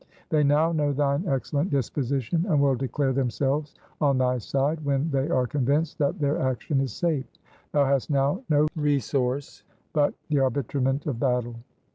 They now know thine excellent disposition, and will declare themselves on thy side when they are convinced that their action is safe. Thou hast now no resource but the arbitrament of battle.